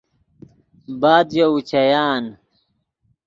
بعد ژے اوچیان